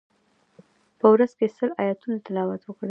په ورځ کی سل آیتونه تلاوت وکړئ.